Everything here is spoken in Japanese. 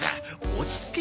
落ち着け！